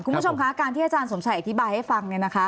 คุณผู้ชมค่ะการที่อาจารย์สงสัยอธิบายให้ฟัง